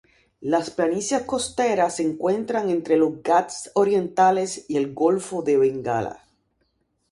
Las planicies costeras se encuentra entre los Ghats orientales y el golfo de Bengala.